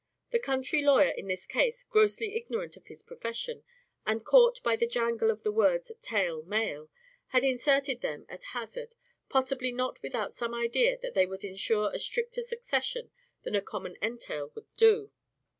The country lawyer in this case, grossly ignorant of his profession, and caught by the jangle of the words tail male, had inserted them at hazard, possibly not without some idea that they would insure a stricter succession than a common entail would do.